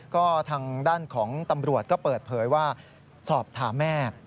ก็ทางด้านของตำรวจก็เปิดเผยว่าสอบถามแม่